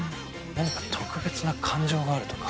何か特別な感情があるとか？